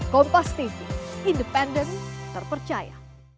kompas tv independen terpercaya